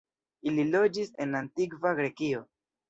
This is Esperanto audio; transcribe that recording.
Ili loĝis en Antikva Grekio.